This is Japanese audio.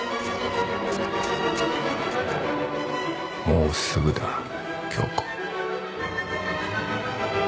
もうすぐだ京子。